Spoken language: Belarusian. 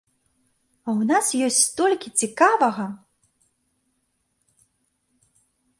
А ў нас ёсць столькі цікавага!